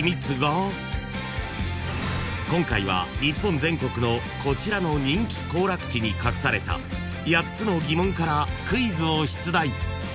［今回は日本全国のこちらの人気行楽地に隠された８つの疑問からクイズを出題］